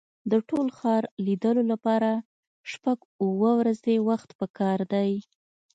د ټول ښار لیدلو لپاره شپږ اوه ورځې وخت په کار دی.